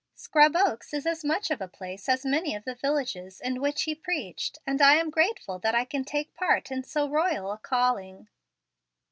Scrub Oaks is as much of a place as many of the villages in which He preached, and I am grateful that I can take part in so royal a calling."